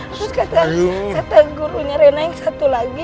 terus kata gurunya rena yang satu lagi